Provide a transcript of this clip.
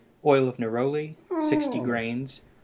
Oil of neroli 60 grains.